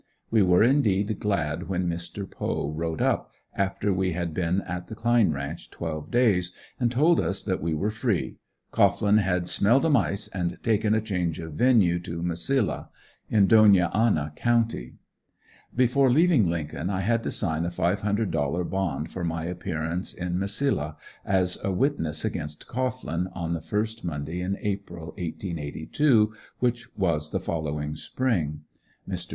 We were indeed glad when Mr. Poe rode up, after we had been at the Cline ranch twelve days, and told us that we were free. Cohglin had "smelled a mice" and taken a change of venue to Mesilla, in Dona Anna County. Before leaving Lincoln I had to sign a five hundred dollar bond for my appearance in Mesilla, as a witness against Cohglin, on the first Monday in April, 1882, which was the following spring. Mr.